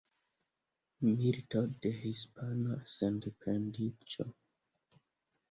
Milito de Hispana Sendependiĝo.